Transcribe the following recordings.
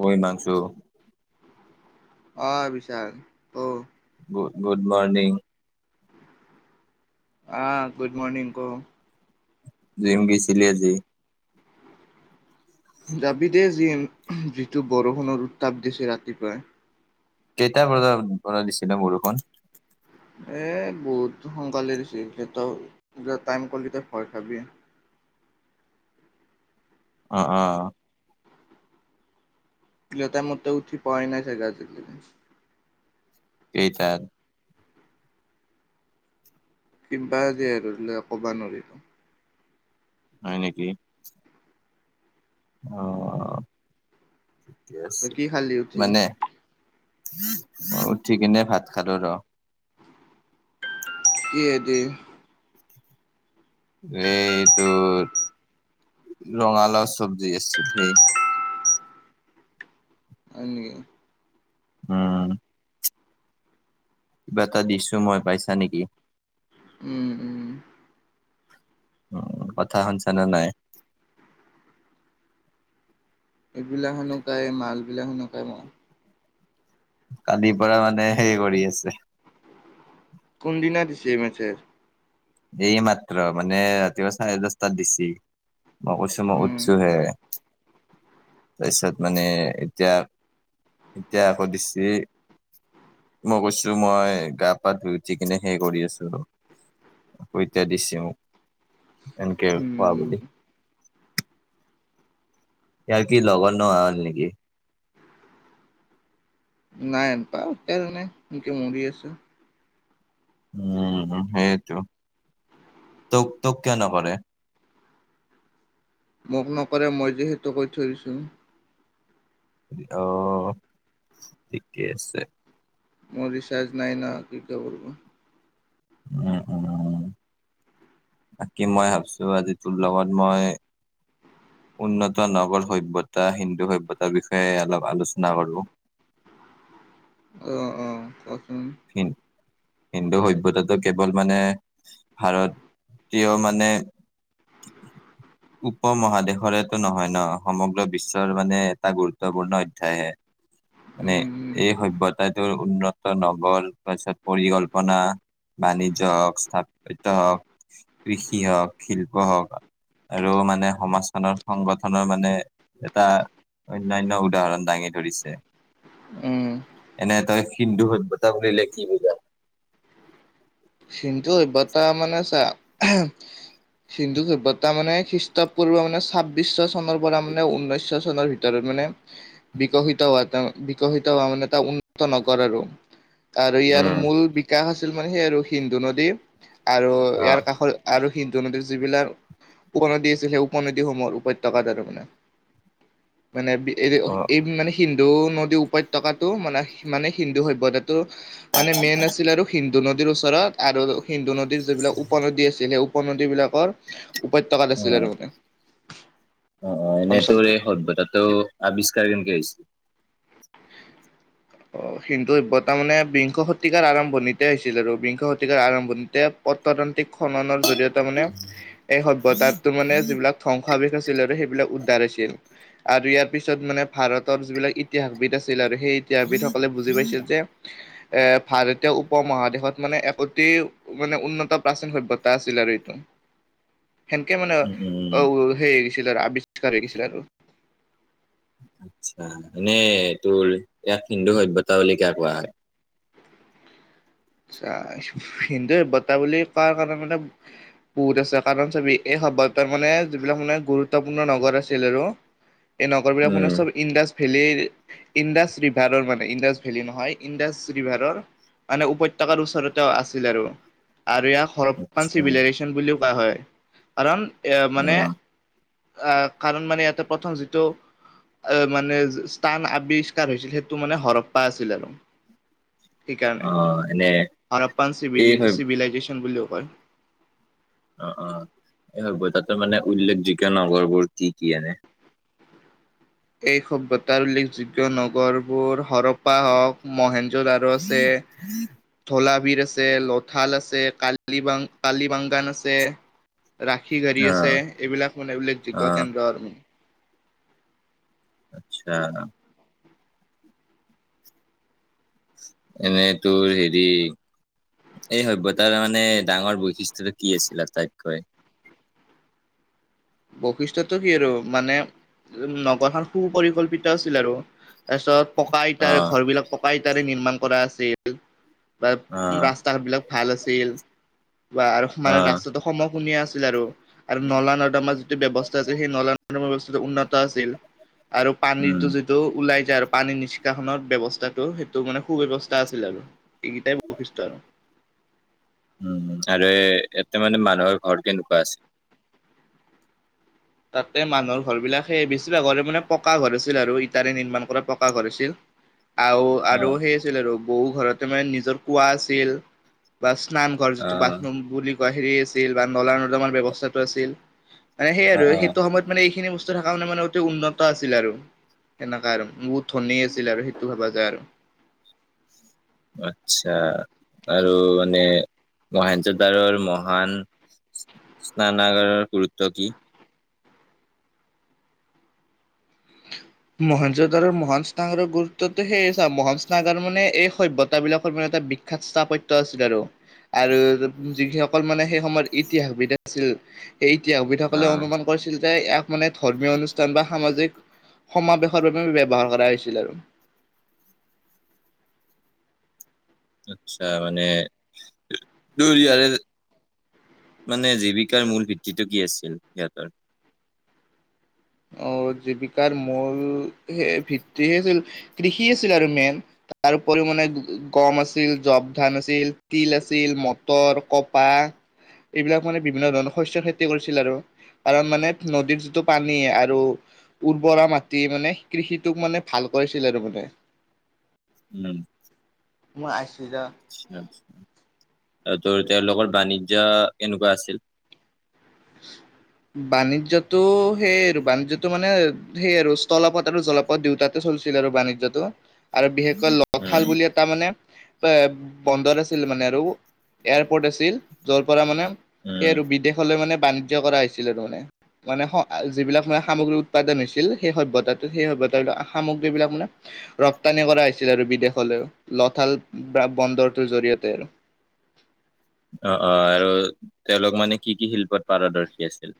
মই মানছোঁ। অ বিশাল ক। Good good morning. আ গুড মৰ্নিং ক। জিম গেইছিলি আজি? যাবি দেই জিম যিটো বৰষুণৰ উত্তাপ দিছে ৰাতিপুৱাই। কেইটা বজাত পৰা দিছিলে বৰষুণ? এ বহুত সোনকালে দিছে সিহঁতৰ টাইম কলি ত ভয় খাবিয়ে। অ অ। সেইটো টাইমত তই উঠি পৱাই নাই চাগে আজিলেকে। কেই তাত? কিবাই আজি হলে ক'বা নোৱাৰি ত। হয় নেকি। অ ঠিকে তই আছে। কি খালি উঠি মানে উঠি কেনে ভাত খালো ৰ। কিহে দি? এ এইটো ৰঙালাও চব্জি আছিল সে। হয় নিকি। উম। কিবা এটা দিছো মই পাইছা নেকি? উম উম। অ কথা শুনছা নে নাই? এইবিলাক হেনোকাই মালবিলাক সেনেকাই মই। কালিৰ পৰা মানে হে কৰি আছে। কোনদিনা দিছে মেছেজ। এই মাত্ৰ মানে ৰাতিপুৱা চাৰে দশটাত দিছি। মই কৈছো মহ উম উৎসু হে। তাৰপিছত মানে এতিয়া এতিয়া আকৌ দিছি। মই কৈছো মই গা-পা ধুই উঠি কিনে সেই কৰি আছোঁ। ঐতে দিছে মোক এনেকে কোৱা উম বুলি ইয়াৰ কি লগৰ নোহোৱা হ'ল নেকি? নাই পাহ তে জানে কেন কে মৰি আছে। উম সেইটো তোক তোক কিয় নকৰে। মোক নকলে মই যে সেইতো কৈ থৈ দিছোঁ। অহ ঠিকেই আছে। মোৰ ৰিচাৰ্জ নাই না কি [unintelligible] উম উম। বাকী মই ভাবছো আজি তোৰ লগত মই উন্নত নগৰ সভ্যতা হিন্দু সভ্যতাৰ বিষয়ে অলপ আলোচনা কৰোঁ। [inaudible] অ অ হিন্দু সভ্যতাটো কেৱল মানে ভাৰতীয় মানে [inaudible] উপ মহাদেশৰেটো নহয় ন সমগ্ৰ বিশ্বৰ মানে এটা গুৰুত্বপূৰ্ণ অধ্যায় হে। মানে উম উম এই সভ্যতাটোৰ উন্নত নগ- গ'ল, পাছত পৰিকলল্পনা বাণিজ্য হওক, স্থাপিত হওঁক, কৃষি হওক, শিল্প হওক। আৰু মানে সমাজখনৰ সংগঠনৰ মানে এটা অনান্য উদাহৰণ দাঙি ধৰিছে, উম এনে তই সিন্ধু সভ্য তা বুলিলে কি বুজা? সিন্ধু সভ্যতা মানে চা হিন্দু সভ্যতা মানে খ্ৰীষ্ট পূ্ব মানে ছাব্বিশ চনৰ পৰা মানে ঊনৈশ চনৰ ভিতৰত মানে বিকশিত হোৱা, বিকশিত হোৱা মানে ত উন্নত নগৰ আৰু। আৰু ইয়াৰ মূল বিকাশ আছিল মানে সেই আৰু সিন্ধু নদী আৰু আহ ইয়াৰ কাষত আৰু হিন্দু নদীৰ যিবিলাক উপনদী আছিল সেই উপনদীসমূহৰ উপত্যকাত আৰু মানে। [inaudible] মানে এই অ এই মানে হিন্দ হিন্দু নদী উপত্যকাতো মানে মানে হিন্দু সভ্যতাটো মানে মেইন আছিল আৰু সিন্ধু নদীৰ ওচৰত আৰু সিন্ধু নদীৰ যিবিলাক উপনদী আছিল সেই উপনদী বিলাকৰ উপত্যকাত অ আছিলে আৰু মানে অ এনেই তোৰ অঞ্চলটো এই সভ্যতাটোৰ আৱিষ্কাৰ কেনেকে হৈছিল? [inaudible] হিন্দু সভ্যতা মানে বিংশ শতিকাৰ আৰম্ভণিতে হৈছিল আৰু বিংশ শতিকাৰ আৰম্ভণিতে পত্ৰতন্ত্- এই খননৰ জৰিয়তে মানে এই সভ্যতাটোৰ মানে যিবিলাক ধ্বংসাবেশ আছিলে আৰু সেইবিলাক তাৰ হৈছিল আৰু ইয়াৰ পিছত মানে ভাৰতৰ যিবিলাক ইতিহাসবিদ আছিল আৰু সেই ইতিহাস বিদসকলে বুজি পাইছিল। যে এ ভাৰতীয় উপমহাদেশত মানে এক অতি মানে উন্নত প্ৰাচীন সভ্যতা। তা আছিল আৰু এইটো। [inaudible] সেনেকে মানে উম উম আও সেই ছিল আৰু আৱিষ্কাৰ হৈ গৈছিলে আৰু। আচ্ছা নে তোৰ ইয়াক হিন্দু সভ্যতা বুলি কিয় কোৱা হয়। আচ্ছা, হিন্দু সভ্যতা বুলি কোৱা কাৰণে মানে বহুত আছে কাৰণ চাবি সভ্যতা মানে যিবিলাক মানে গুৰুত্বপূৰ্ণ নগৰ আছিল আৰু এই নগৰ বিলাক মানে উম চব ইন্দাজ ভেলী ইণ্ডাছ ৰিভাৰৰ মানে ইণ্ডাছ ভেলী নহয় ইণ্ডাছ ৰিভাৰৰ মানে উপত্যকাৰ ওচৰতে আছিল আৰু আৰু ইয়াক হৰপ্পা আচ্ছা চিভিলাইজেচন বুলিও বা হয় কাৰণ এ অ মানে আহ কাৰণ মানে ইয়াতে প্ৰথম যিটো আহ মানে স্থান আৱিষ্কাৰ হৈছিল, সেইটো মানে হৰপ্পা আছিল আৰু। অ এনে হাৰাপ্পান এই চিবিলি সভ্য চিভিলাইজেশ্যন বুলিও কয়। অ অ এই বজাৰ ত মানে উল্লেখযোগ্য নগৰবোৰ কি কি এনে? এই সভ্যতাৰ উল্লেখযোগ্য নগৰবোৰ হৰপ্পা হওক মহেন- জ্বলাৰো আছে, থলা বিৰ আছে, লথাল আছে, কালিবাং কালিবাংগান আছে। ৰাখি গাড়ী অ আছে এইবিলাক মানে এইবিলাগ অ যোগ্য কেন্দ্ৰ আৰ্মী। আচ্ছা। এনেই তোৰ হেৰি এই সভ্যতাৰ মানে ডাঙৰ বৈশিষ্টটো কি আছিল আটাইতকৈ? [inaudible] বৈশিষ্ট্যটো কি আৰু মানে নগৰখন সুপৰিকল্পিত আছিল আৰু। তাৰপিছত পকা অ ইটাৰে ঘৰ বিলাক পকা ইটাৰে নিৰ্মাণ কৰা আছিল। বা অ ৰাস্তা - ঘাট বিলাক ভাল আছিল। বা আৰু অ মানে ৰাস্তাটো সম কুনীয়া আছিল আৰু, আৰু নলা নৰ্দমা যো ব্যৱস্থা আছিল সেই নলা নৰ্দমাৰ ব্যৱস্থাটো উন্নত আছিল আৰু উম পানীটো যিটো ওলাই যায় আৰু পানী নিষ্কাশনৰ ব্যৱস্থাটো সেইটো মানে সুব্যৱস্থা আছিল আৰু। এইকেইটাই বৈশিষ্ট্য আৰু। উম, আৰু ইতে মানে মানুহৰ ঘৰ কেনেকুৱা আছিল? তাতে মানুহৰ ঘৰ বিলাক সেই বেছিভাগৰে মানে পকা ঘৰ আছিল আৰু ইটাৰে নিৰ্মাণ কৰা পকা ঘৰ আছিল। আও অ আৰু সেই আছিল আৰু বহু ঘৰতে মানে নিজৰ কোঁৱা আছিল। বা স্নানঘৰ অ যিটো বাথৰুম বুলি কোৱা হেৰী আছিল বা নলা নৰ্দমাৰ ব্যৱস্থাটো আছিল। মানে সেই অ আৰু অ সেইটো সময়ত মানে এইখিনি বস্তু থকা মানে মানে অতি উন্নত আছিল আৰু সেনকা আৰু বহুত ধনী আছিল আৰু সেইটো ভবা যায় আৰু। আচ্ছা আৰু মানে মহেঞ্জোদাৰোৰ মহান স্নানাগাৰৰ গুৰুত্ব কি? মহেঞ্জোদাৰোৰ মহান স্নানাগাৰৰ গুৰুত্বটো সেয়ে চা মহান স্নানাগাৰ মানে এই সভ্যতা বিলাকৰ এটা বিখ্যাত স্থাপত্য আছিল আৰু। আৰু যিসকল মানে সেই সময়ত ইতিহাসবিধ আছিল। এই অ ইতিহাসবিদসকলে অনুমান কৰিছিল যে ইয়াক মানে ধৰ্মিয় অনুষ্ঠান বা সামাজিক সমাবেশৰ বাবে ব্যৱহাৰ কৰা হৈছিল আৰু। আচ্ছা মানে দৌৰিয়ে মানে জীৱিকাৰ মূল ভিত্তিটো কি আছিল? সিহঁতৰ অ জীৱিকাৰ মূল হে ভিত্তি হে আছিল কৃষি আছিল আৰু মেইন তাৰ উপৰিও মানে গম আছিল জপ ধান আছিল তিল আছিল মটৰ, কপাহ এইবিলাক মানে বিভিন্ন ধৰণৰ শস্যৰ খেতি কৰিছিল আৰু কাৰণ মানে নদীৰ যিটো পানী নি আৰু উৰ্বৰা মাটি মানে কৃষিটোক মানে ভাল কৰিছিল আৰু মানে। উম মই আইছো যা আচ্ছা আচ্ছা। এইটো তেওঁলোকৰ বাণিজ্য কেনেকুৱা আছিল? বাণিজ্যটো সেই আৰু বাণিজ্যটো মানে সেই আৰু স্থলপথ আৰু জলপথ দুয়োটাতে চলি চলিছিল আৰু বাণিজ্যটো আৰু বিশেষকৈ লথাল উম, বুলি এটা মানে বে বন্দৰ আছিল মানে আৰু এয়াৰপৰ্ট আছিল। য'ৰ পৰা মানে সেই উম, আৰু বিদেশলৈ মানে। বাণিজ্য কৰা হৈছিল আৰু মানে মানে স আ যিবিলাক মানে সামগ্ৰী উৎপাদন হৈছিল সেই সভ্যতাটো সেই সভ্য সামগ্ৰী বিলাক মানে ৰপ্তানি কৰা হৈছিল আৰু বিদেশলৈও। লথাল ব্ৰা বন্দৰ বন্দৰটোৰ জৰিয়তে আৰু অ অ আৰু তেওঁলোক মানে কি কি শিল্পত পাৰদৰ্শি আছিল?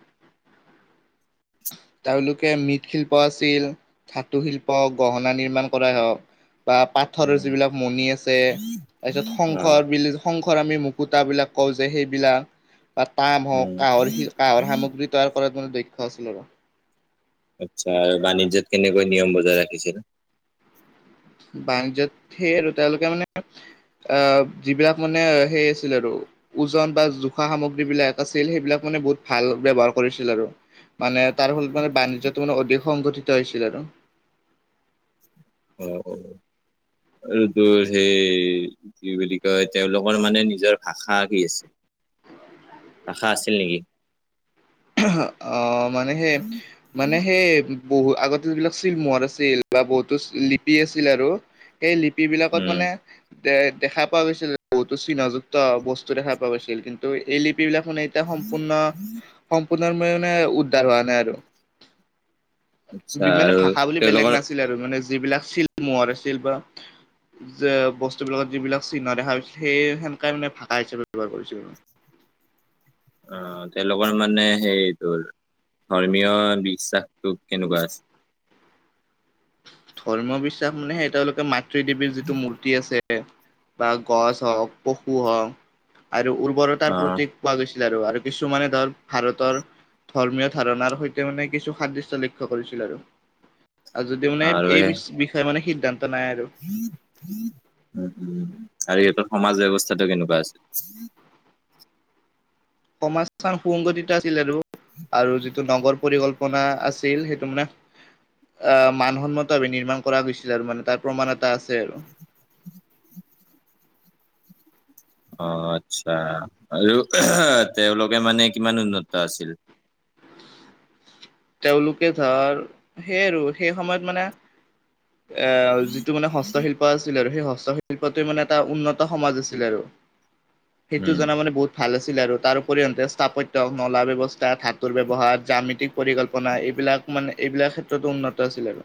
তেওঁলোকে মৃৎশিল্প আছিল ধাতু শিল্প গহনা নিৰ্মাণ কৰাই হওঁক। বা পাথৰৰ উম, যিবিলাক মণি আছে। তাৰপিছত শংখ অ', বুলি শংখ আমি মুকুতাবিলাক কওঁ যে সেইবিলাক বা তাম হওঁক উম। কাঁহৰ শি কাঁহৰ সামগ্ৰী তৈয়াৰ কৰাত মানে দক্ষ আছিল আৰু। আচ্ছা আৰু বাণিজ্যত কেনেকৈ নিয়ম বজাই ৰাখিছিল? বাণিজ্যত সেই আৰু তেওঁলোকে মানে অ যিবিলাক মানে সেই আছিল আৰু ওজন বা জোখা সামগ্ৰী বিলাক আছিল সেইবিলাক সেইবিলাক মানে বহুত ভাল ব্যৱহাৰ কৰিছিল আৰু মানে তাৰ ফলত মানে বাণিজ্যটো মানে অধিক সংঘটিত হৈছিল আৰু। অহ অ। এটো সেই কি বুলি কয় তেওঁলোকৰ মানে নিজৰ ভাষা কি আছে? ভাষা আছিল নেকি? অ মানে সে মানে সেই বহু আগতে যিবিলাক চিলমোহৰ আছিল বা বহুতো লিপি আছিল আৰু। এই লিপ বিলাকত উম, মানে। দে দেখা পোৱা গৈছিল বহুতো চিহ্নযুক্ত বস্তু দেখা পোৱা গৈছিল। কিন্তু এই লিপিবিলাক মানে এতিয়া সম্পূৰ্ণ সম্পূৰ্ণে মানে উদ্ধাৰ হোৱা নাই আৰু। আচ্ছা মানে আৰু ভাষা বুলি বেলেগ তেওঁলোকৰ নাছিল আৰু মানে যিবিলাক ছিল মৰ আছিল বা যে বস্তুবিলাকত যিবিলাক চিহ্ন দেখা গছিল সেই সেনেকাই মানে ভাষা হিচাপে ব্যৱহাৰ কৰিছিল আৰু। অ তেওঁলোকৰ মানে সেইটোৰ ধৰ্মীয় বিশ্বাসটো কেনেকুৱা আছ- ধৰ্ম বিশ্বাস মানে স এ তেওঁলোকে মাতৃ দেৱীৰ যিটো মূৰ্তি আছে। বা গছ হওক, পশু হওক আৰু উৰ্বৰতাৰ অ', প্ৰতি পোৱা গৈছ- ছিল আৰু। আৰু কিছুমানে ধৰ ভাৰতৰ ধৰ্মীয় ধাৰণাৰ সৈতে মানে কিছু সাদৃশ্য লক্ষ্য কৰিছিল আৰু। আৰু যদিও মানে এই বিষয়ে মানে সি উ উ হাৰি এইটো সমাজ ব্যৱস্থাটো কেনেকুৱা আছ- সমাজখন সুংগতিত আছিল আৰু। আৰু যিটো নগৰ পৰিকল- পনা আছিল সেইটো মানে আহ মান সন্মতভাৱে নিৰ্মাণ কৰা গৈছিল আৰু মানে তাৰ প্ৰমাণ এটা আছে আৰু। [inaudible] অ আচ্ছা আৰু তেওঁলোকে মানে কিমান উন্নত আছিল। তেওঁলোকে ধৰ সেই আৰু সেই সময়ত মানে অ যিটো মানে হস্তশিল্প আছিল আৰু। সেই হস্ত শিল্পটো মানে এটা উন্নত সমাজ আছিলে আৰু সেইটো উম, জনা মানে বহুত ভাল আছিলে আৰু তাৰ উপৰিতে স্থাপত্য নলা ব্যৱস্থা ধাতুৰ ব্যৱহাৰ জামিতি পৰিকল্পনা এইবিলাক মানে এইবিলাক ক্ষেত্ৰতো উন্নত আছিল আৰু।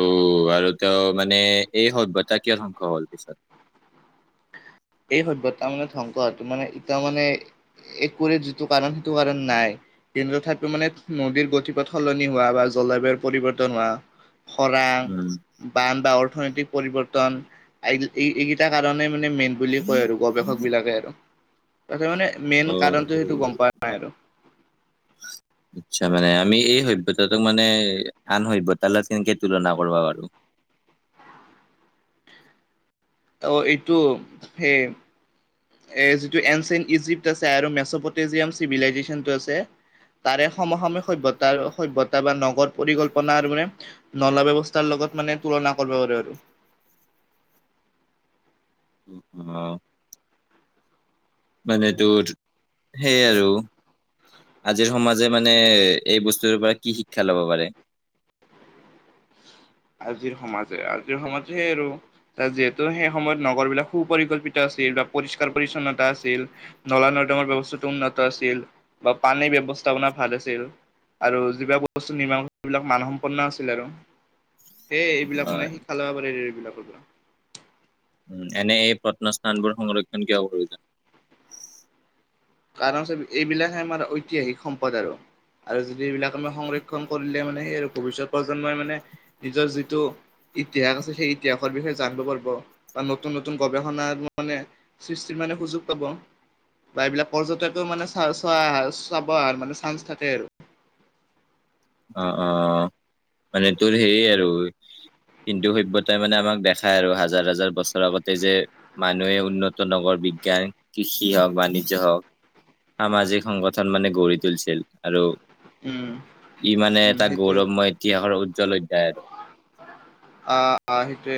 অ আৰু তেওঁ মানে এই সভ্যতা কিয় ধ্বংস হ'ল পিছত? এই সভ্যতা মানে ধ্বংস তো মানে ইতাৰ মানে একোৰে যিটো কাৰণ সেইটো কাৰণ নাই। কিন্তু ঠাইত মানে নদীৰ গতিপথ সলনি হোৱা বা জলবায়ুৰ পৰিৱৰ্তন হোৱা। সৰাং উম, বানৱাৰৰ অৰ্থনৈতিক পৰিবৰ্তন এই কেইটা কাৰণে মানে মেইন বুলি কয় আৰু গৱেষক বিলাকে আৰু তাকে মানে মেইন অ', কাৰণটো সেইটো গম পোৱা নাই আৰু। [inaudible] আচ্ছা মানে আমি এই সভ্যতা টোক মানে আন সভ্যতা লগত কেনেকে তুলনা কৰিব পাৰো। [inaudible] অ এইটো সে এ যিটো এনচেণ্ট ইজিপট আছে আৰু মেচপটজিয়াম চিভিলাইজেশচনটো আছে। তাৰে সম সমে সভ্যতা সভ্যতা বা নগদ পৰিকল্পনা মানে নলা ব্যৱস্থাৰ লগ- ঘত মানে তুলনা কৰিব পাৰোঁ আৰু। [inaudible] অ মানে তোৰ সেই আৰু আজিৰ সমাজে মানে এই বস্তুৰ পৰা কি শিক্ষা ল'ব পাৰে? [inaudible] আজিৰ সমাজে আজিৰ সমাজত সেই আৰু ত যিহেতু সেই সময়ত নগৰ বিলাক সুপকল্পিত আছ- ছিল বা পৰিষ্কাৰ পৰিছন্নতা আছিল নলা নৰ্দমৰ ব্যৱস্থাটো উন্নত আছিল বা পানীৰ ব্যৱ- প্ৰস্তাৱনা ভাল আছিল আৰু যিবিলাক বস্তু নিৰ্মাণ কৰি সেইবিলাক মানসম্পন্ন আছিল আৰু। সেই এইবিলাক মানে হয়, শিক্ষা ল'ব পাৰে এইবিলাক। এনে এই প্ৰত্নস্থানবোৰ সংৰক্ষণ কিয় প্ৰয়োজন? কাৰণ চাবি এইবিলাকহে আমাৰ ঐতিহাসিক সম্পদ আৰু। আৰু যদি এইবিলাক আমি সংৰক্ষণ কৰিলে মানে সেই আৰু ভৱিষ্যত প্ৰজন্মই মানে নিজৰ যিটো ইতিহাস আছে সেই ইতিহাসৰ বিষয়ে জানিব পাৰিব বা নতুন নতুন গৱেষণাৰ মানে সৃষ্টিৰ মান- মানে সুযোগ পাব বা এইবিলাক পৰ্যটকো মানে চা চৱাই অহা চাব আৰ মানে চান্স থাকে আৰু। অ অ মানে তোৰ সেই আৰু সিন্ধু সভ্যতাই মানে আমাক দেখায় আৰু হাজাৰ হাজাৰ বছৰ আগতে যে মানুহে উন্নত নগৰ বিজ্ঞান কৃষি হওঁক, বাণিজ্য হওঁক। সামাজিক সংগঠন মানে গঢ়ি তুলিছিল আৰু উম। ই মানে উম এটা সেইটোৱে গৌৰৱময় ইতিহাসৰ উজ্জ্বল অধ্যায় আৰু। অ অ সেইটোৱে।